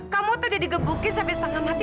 kamu tuh udah digebukin sampai setengah mati